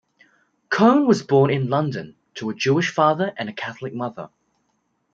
Cohn was born in London, to a Jewish father and a Catholic mother.